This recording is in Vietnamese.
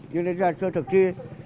nhưng đến giờ chưa thực tri